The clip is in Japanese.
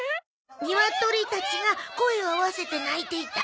「ニワトリたちが声を合わせて鳴いていた」。